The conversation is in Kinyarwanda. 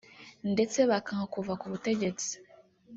ndetse bakanga kuva ku butegetsi